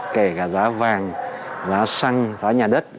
kể cả giá vàng giá xăng giá nhà đất